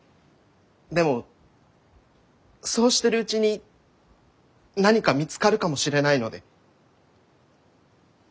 でもそうしてるうちに何か見つかるかもしれないので。